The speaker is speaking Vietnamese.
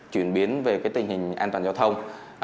chuyển biến về tình hình an toàn giao thông